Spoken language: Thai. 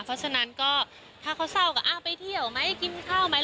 เพราะฉะนั้นก็ถ้าเขาเศร้าก็อ้าวไปเที่ยวไหมกินข้าวไหม